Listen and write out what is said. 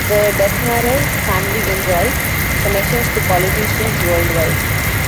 The Desmarais family enjoys connections to politicians worldwide.